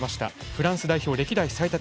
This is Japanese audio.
フランス代表歴代最多